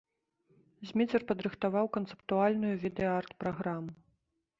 Зміцер падрыхтаваў канцэптуальную відэа-арт-праграму.